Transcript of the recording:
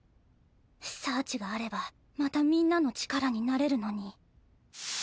サーチがあればまたみんなの力になれるのに。